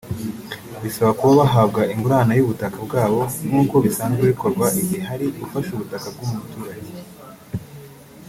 Basaba ko bahabwa ingurane y’ubutaka bwabo nk’uko bisanzwe bikorwa igihe hari ufashe ubutaka bw’umuturage